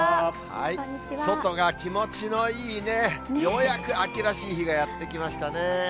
外が気持ちのいいね、ようやく秋らしい日がやって来ましたね。